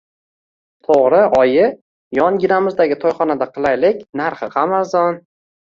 To`g`ri, oyi, yonginamizdagi to`yxonada qilaylik, narxi ham arzon